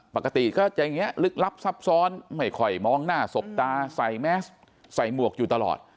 ปกติก็จะอย่างนี้ลึกลับซับซ้อนไม่ค่อยมองหน้าสบตาใส่แมสใส่หมวกอยู่ตลอด